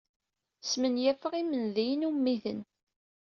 Smenyafeɣ imendiyen ummiden.